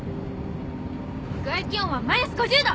外気温はマイナス５０度！